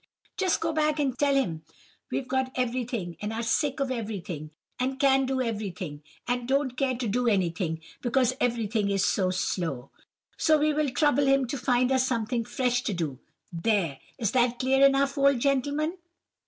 Just go back and tell him we've got everything, and are sick of everything, and can do everything, and don't care to do anything, because everything is so 'slow;' so we will trouble him to find us something fresh to do. There! is that clear enough, old gentleman?